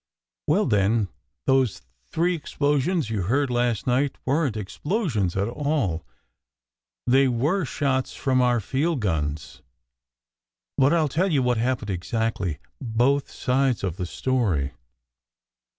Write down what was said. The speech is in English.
" Well, then, those three explosions you heard last night weren t explosions at all. They were shots from our field guns. But I ll tell you what happened exactly both sides of the story."